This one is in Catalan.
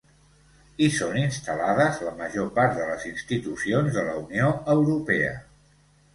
Hi són instal·lades la major part de les institucions de la Unió Europea.